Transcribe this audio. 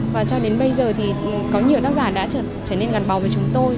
và cho đến bây giờ thì có nhiều tác giả đã trở nên gần bầu với chúng tôi